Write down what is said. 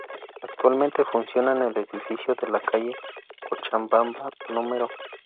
Actualmente funciona en el edificio de la calle Cochabamba No.